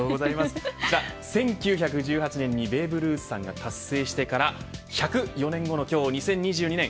１９１８年にベーブ・ルースさんが達成してから１０４年後の今日、２０２２年